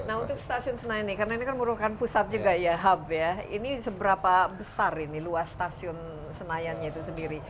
nah untuk stasiun senayan ini karena ini kan merupakan pusat juga ya hub ya ini seberapa besar ini luas stasiun senayannya itu sendiri